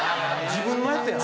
自分のやつやん？